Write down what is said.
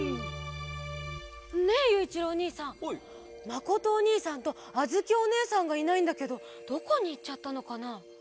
まことおにいさんとあづきおねえさんがいないんだけどどこにいっちゃったのかな？